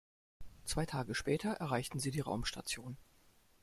Zwei Tage später erreichten sie die Raumstation.